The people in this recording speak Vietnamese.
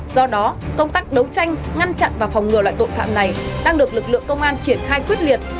do đó công tác đấu tranh ngăn chặn và phòng ngừa loại tội phạm này đang được lực lượng công an triển khai quyết liệt